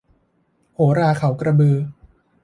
โหราเขากระบือ